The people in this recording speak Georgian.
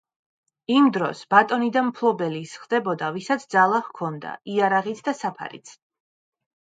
იმ დროს ბატონი და მფლობელი ის ხდებოდა, ვისაც ძალა ჰქონდა, იარაღიც და საფარიც.